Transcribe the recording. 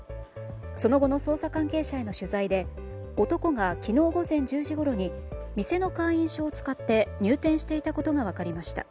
その後の捜査関係者への取材で男が昨日午前１０時ごろに店の会員証を使って入店していたことが分かりました。